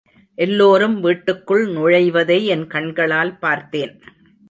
எல்லோரும் வீட்டுக்குள் நுழைவதை என் கண்களால் பார்த்தேன்.